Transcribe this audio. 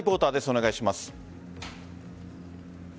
お願いします。